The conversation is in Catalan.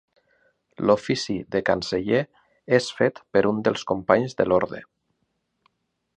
L'ofici de canceller és fet per un dels companys de l'orde.